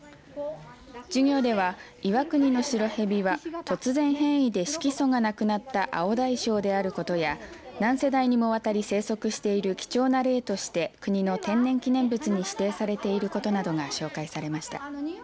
授業では岩国のシロヘビは突然変異で色素がなくなったアオダイショウであることや何世代にもわたり生息している貴重な例として国の天然記念物に指定されていることなどが紹介されました。